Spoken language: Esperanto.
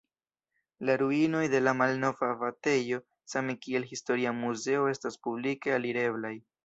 La ruinoj de la malnova abatejo same kiel historia muzeo estas publike alireblaj.